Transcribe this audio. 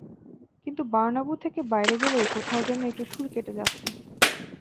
কিন্তু বার্নাব্যু থেকে বাইরে গেলেই কোথাও যেন একটু সুর কেটে যাচ্ছে।